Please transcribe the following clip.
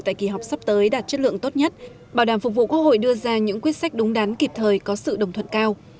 tại kỳ họp sắp tới đạt chất lượng tốt nhất bảo đảm phục vụ quốc hội đưa ra những quyết sách đúng đắn kịp thời có sự đồng thuận cao